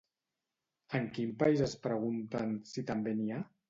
En quin país es pregunten si també n'hi ha?